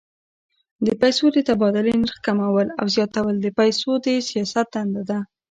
د پیسو د تبادلې نرخ کمول او زیاتول د پیسو د سیاست دنده ده.